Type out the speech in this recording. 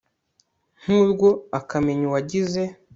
nku rwo akamenya uwagize